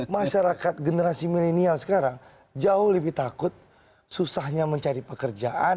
masyarakat generasi milenial sekarang jauh lebih takut susahnya mencari pekerjaan